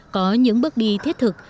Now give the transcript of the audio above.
có những bước đi thiết thực